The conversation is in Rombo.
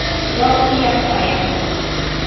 Wauya kwaya.